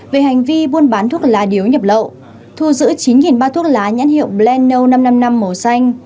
về hành vi buôn bán thuốc lá điếu nhập lậu thu giữ chín ba trăm linh thuốc lá nhãn hiệu blend no năm trăm năm mươi năm màu xanh